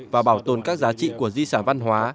và bảo tồn các giá trị của di sản văn hóa